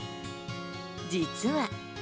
実は。